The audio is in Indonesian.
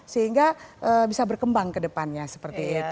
sehingga bisa berkembang kedepannya seperti itu